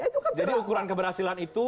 jadi ukuran keberhasilan itu